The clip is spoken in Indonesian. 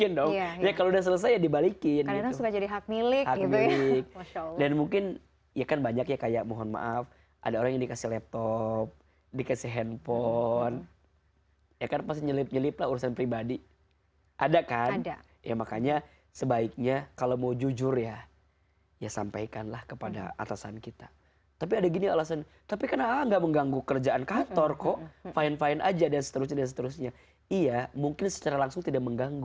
ya jangan jadi ngerasa punya sendiri dong ya kalau udah selesai dibalikin itu jadi hak milik dan mungkin ya kan banyak ya kayak mohon maaf ada orang yang dikasih laptop dikasih handphone ya kan pasti nyelip nyelip lah urusan pribadi ada kan ya makanya sebaiknya kalau mau jujur ya ya sampaikan lah kepada atasan kita tapi ada gini alasan tapi karena enggak mengganggu kerjaan kantor kok fine fine aja dan seterusnya dan seterusnya iya mungkin secara langsung tidak mengganggu